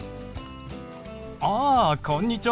ああこんにちは。